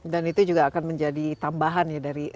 dan itu juga akan menjadi tambahan ya dari